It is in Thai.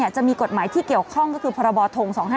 จะมีกฎหมายที่เกี่ยวข้องก็คือพรบท๒๕๖